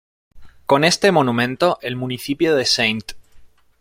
Con este monumento el municipio de St.